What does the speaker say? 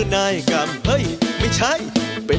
ไปแล้วไปที่ไกล